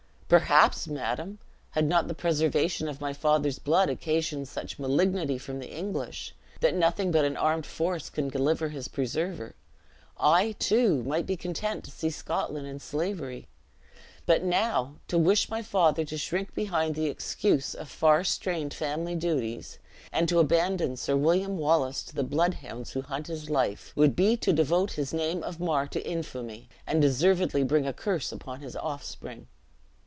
"Perhaps, madam, had not the preservation of my father's blood occasioned such malignity from the English, that nothing but an armed force can deliver his preserver, I, too, might be content to see Scotland in slavery. But now, to wish my father to shrink behind the excuse of far strained family duties, and to abandon Sir William Wallace to the blood hounds who hunt his life, would be to devote his name of Mar to infamy, and deservedly bring a curse upon his offspring."